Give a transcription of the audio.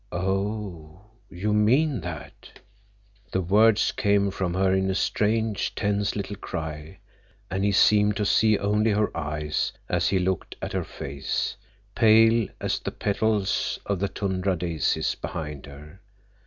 "Oh, you mean that!" The words came from her in a strange, tense, little cry, and he seemed to see only her eyes as he looked at her face, pale as the petals of the tundra daises behind her.